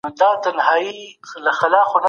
ولسمشر ترانزیتي لاره نه تړي.